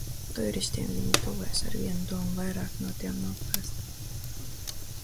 Tūristiem viņi tuvojas ar vienu domu - vairāk no tiem noplēst.